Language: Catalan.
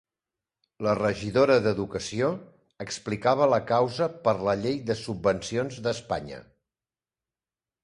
La regidora d'educació explicava la causa per la Llei de Subvencions d'Espanya.